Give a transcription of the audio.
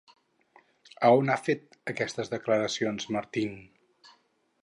A on ha fet aquestes declaracions Martín?